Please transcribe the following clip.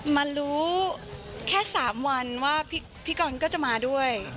มารู้แค่๓วันว่าพี่กรก็จะมาด้วย